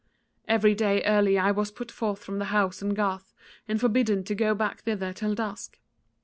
Every day early I was put forth from the house and garth, and forbidden to go back thither till dusk.